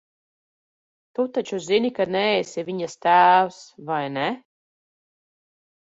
Tu taču zini, ka neesi viņas tēvs, vai ne?